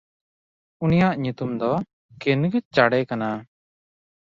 ᱩᱱᱤᱭᱟᱜ ᱧᱩᱛᱩᱢ ᱫᱚ ᱠᱤᱱᱜᱪᱟᱰᱮ ᱠᱟᱱᱟ᱾